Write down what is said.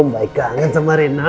om baik kangen sama rena